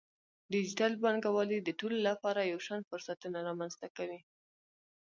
ډیجیټل بانکوالي د ټولو لپاره یو شان فرصتونه رامنځته کوي.